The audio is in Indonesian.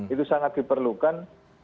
itu sangat diperlukan